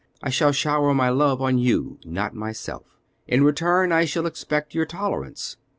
I shall shower my love on you, not myself. In return I shall expect your tolerance.